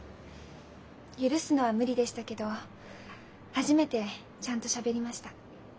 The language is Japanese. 許すのは無理でしたけど初めてちゃんとしゃべりました。